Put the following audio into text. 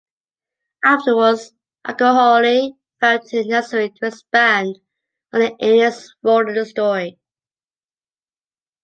Afterwards, Akahori felt it necessary to expand on the alien's role in the story.